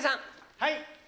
はい。